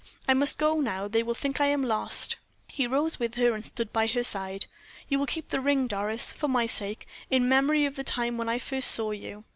I must go now; they will think that I am lost." He rose with her, and stood by her side. "You will keep the ring, Doris, for my sake, in memory of the time when I first saw you?"